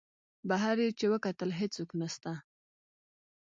بهر یې چې وکتل هېڅوک نسته.